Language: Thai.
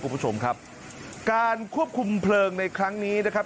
คุณผู้ชมครับการควบคุมเพลิงในครั้งนี้นะครับ